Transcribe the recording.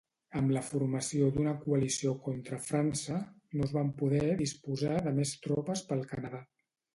Amb la formació d'una coalició contra França, no es van poder disposar de més tropes pel Canadà.